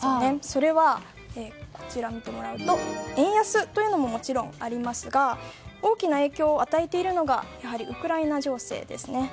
それは円安というのももちろんありますが大きな影響を与えているのがやはりウクライナ情勢ですね。